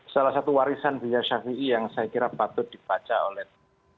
salah satu warisan buya syafiq ima arief yang saya kira patut dibaca oleh